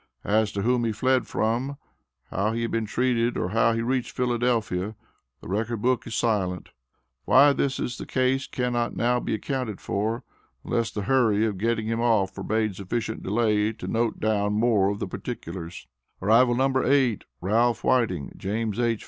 As to whom he fled from, how he had been treated, or how he reached Philadelphia, the record book is silent. Why this is the case cannot now be accounted for, unless the hurry of getting him off forbade sufficient delay to note down more of the particulars. Arrival No. 8. Ralph Whiting, James H.